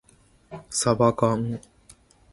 さばかん